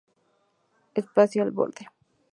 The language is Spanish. Espacio Al Borde.